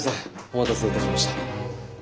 お待たせいたしました。